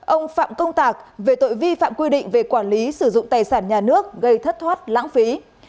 ông phạm công tạc về tội vi phạm quy định về quản lý sử dụng tài sản nhà nước gây thất thoát lãng phí